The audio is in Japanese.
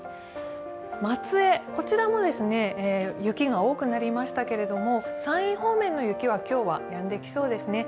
松江、こちらも雪が多くなりましたけれども、山陰方面の雪は今日はやんできそうです。